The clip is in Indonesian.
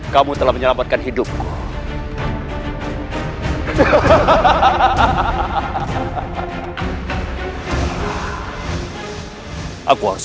kamu telah menyelamatkan hidupku